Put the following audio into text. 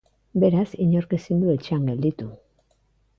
Beraz, inork ezin du etxean gelditu.